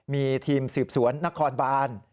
มีทีมสืบสวนนครบาน